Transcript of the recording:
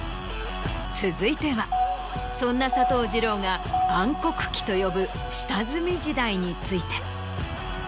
続いてはそんな佐藤二朗が暗黒期と呼ぶ下積み時代について。